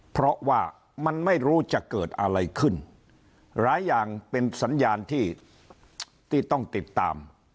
เพราะว่ามันไม่รู้จะเกิดอะไรขึ้นหลายอย่างเป็นสัญญาณที่ที่ต้องติดตาม